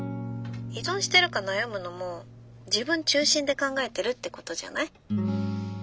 依存してるか悩むのも自分中心で考えてるってことじゃない？